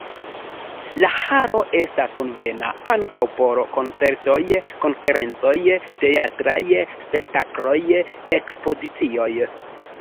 La halo estas konvena ankaŭ por koncertoj, konferencoj, teatraj spektakloj, ekspozicioj.